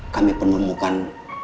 kami pun menemukan